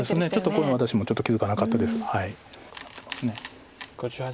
こういうのは私もちょっと気付かなかったです。